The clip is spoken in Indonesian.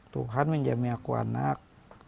tuhan menjamin aku anak